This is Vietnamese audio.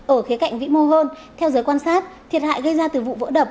ở khía cạnh vĩ mô hơn theo giới quan sát thiệt hại gây ra từ vụ vỡ đập